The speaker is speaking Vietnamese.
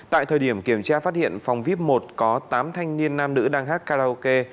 tại thời điểm kiểm tra phát hiện phòng vip một có tám thanh niên nam nữ đang hát karaoke